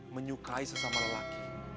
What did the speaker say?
menyukai sesama lelaki